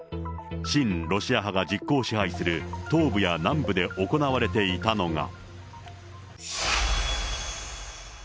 親ロシア派が実効支配する東部や南部で行われていたのが。